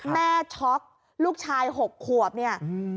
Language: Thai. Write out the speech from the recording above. แม่ช็อคลูกชาย๖ขวบนี่